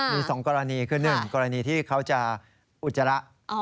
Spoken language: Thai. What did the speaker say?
มีสองกรณีคือหนึ่งกรณีที่เขาจะอุจจระ